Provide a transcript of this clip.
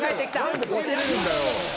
何でボケれるんだよ。